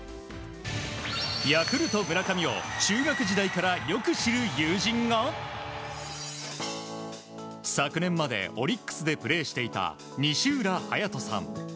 ヤクルト、村上を中学時代からよく知る友人が昨年までオリックスでプレーしていた西浦颯大さん。